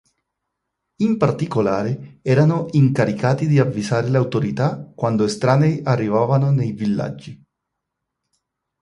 In particolare erano incaricati di avvisare le autorità quando estranei arrivavano nei villaggi.